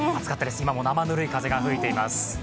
今も生ぬるい風が吹いています。